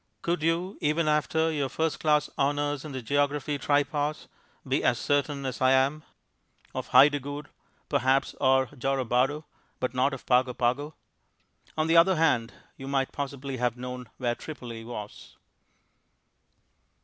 Could you, even after your first class honours in the Geography Tripos, be as certain as I am? Of Hidegkut, perhaps, or Jorobado, but not of Pago Pago. On the other hand, you might possibly have known where Tripoli was.